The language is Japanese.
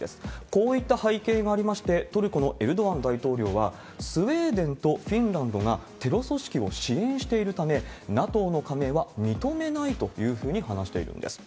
こういった背景がありまして、トルコのエルドアン大統領は、スウェーデンとフィンランドがテロ組織を支援しているため、ＮＡＴＯの加盟は認めないというふうに話しているんです。